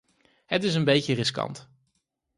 Het is een beetje riskant.